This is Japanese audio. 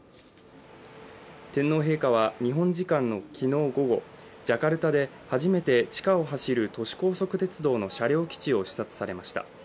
天皇陛下は、日本時間の昨日午後ジャカルタで初めて地下を走る都市高速鉄道の車両基地を視察されました。